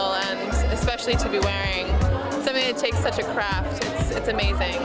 dan terutama untuk memakainya jadi ini membutuhkan kreatif itu luar biasa